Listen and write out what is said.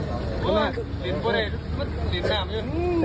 สวิทธิ์